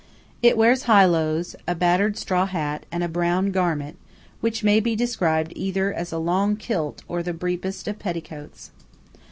It wears highlows, a battered straw hat, and a brown garment which may be described either as a long kilt or the briefest of petticoats.